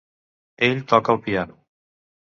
Ell toca el piano.